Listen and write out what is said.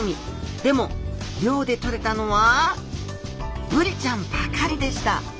でも漁でとれたのはブリちゃんばかりでした。